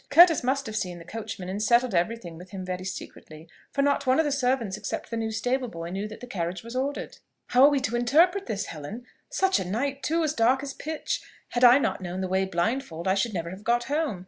Curtis must have seen the coachman and settled every thing with him very secretly; for not one of the servants, except the new stable boy, knew that the carriage was ordered." "How are we to interpret this, Helen? Such a night too! as dark as pitch. Had I not known the way blindfold, I should never have got home.